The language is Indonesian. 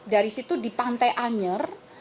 dari situ di pantai anyer